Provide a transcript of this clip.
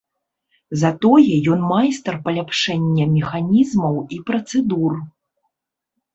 Затое ён майстар паляпшэння механізмаў і працэдур.